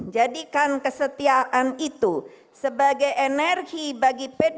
jadikan kesetiaan itu sebagai energi bagi pancasila